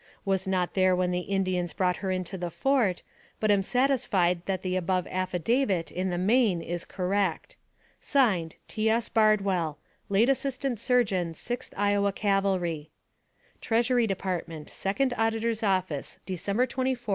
Was not there when the Indians brought her into the fort; but am satisfied that the above affidavit, in the main, is cor rect. (Signed.) T. S. BARD WELL, Late Assistant Surgeon Sixth Iowa Cavalry. AMONG THE SIOUX INDIANS. 285 TREASURY DEPARTMENT, ) SECOND AUDITOR'S OFFICE, December 24, 1870.